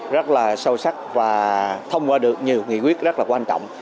rất là sâu sắc và thông qua được nhiều nghị quyết rất là quan trọng